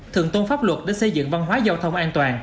thượng tôn pháp luật để xây dựng văn hóa giao thông